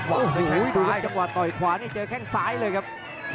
โอ้โหดูแล้วจำนวดต่อยขวานี่เจอแค่งซ้ายเลยครับ